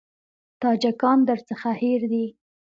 تاجکان درڅخه هېر دي.